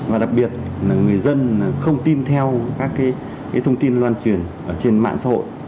và đặc biệt là người dân không tin theo các thông tin loan truyền trên mạng xã hội